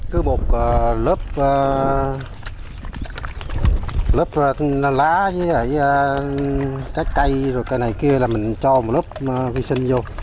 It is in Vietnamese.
cứ bột lớp lá với cái cây rồi cái này kia là mình cho một lớp vi sinh vô